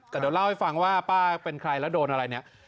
แต่เดี๋ยวเล่าให้ฟังว่าป้าเป็นใครแล้วโดนอะไรเนี่ย